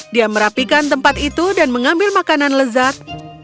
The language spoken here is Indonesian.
dia merapikan tempat itu dan mengambil makanan lezat